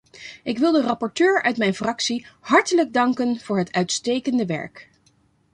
Ik wil de rapporteur uit mijn fractie hartelijk danken voor het uitstekende werk.